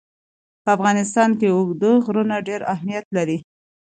په افغانستان کې اوږده غرونه ډېر اهمیت لري.